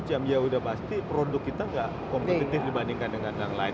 jadi sudah pasti produk kita nggak kompetitif dibandingkan dengan yang lain